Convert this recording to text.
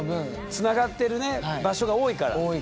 つながってる場所が多いから。